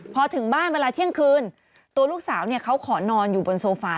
พอถึงบ้านเวลาเที่ยงคืนตัวลูกสาวเขาขอนอนอยู่บนโซฟา